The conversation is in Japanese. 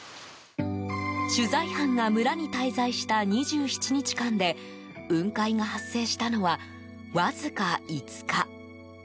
取材班が村に滞在した２７日間で雲海が発生したのはわずか５日。